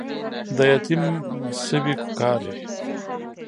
د يتيم سوې کوکارې